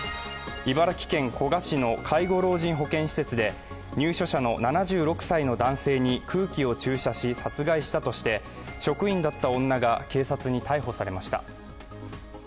茨城県古河市の介護老人保健施設で入所者の７６歳の男性に空気を注射し殺害したとして職員だった女が警察に逮捕されました。